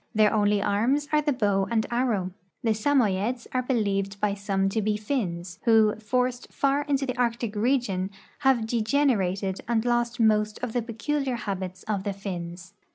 Their only arms are the bow and arrow. The Samoyeds are believed by some to be Finns, who, forced far into the Arctic region, have degenerated and lost most of the peculiar habits of the Finns.